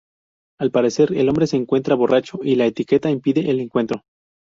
Al parecer, el hombre se encuentra borracho y la etiqueta impide el encuentro.